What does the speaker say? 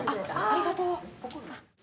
ありがとう。